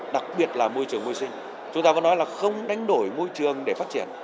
đặc biệt là môi trường ngôi sinh chúng ta vẫn nói là không đánh đổi môi trường để phát triển